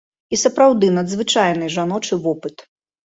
І сапраўды надзвычайны жаночы вопыт.